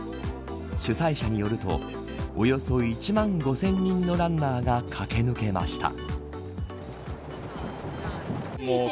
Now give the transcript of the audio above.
主催者によるとおよそ１万５０００人のランナーが駆け抜けました。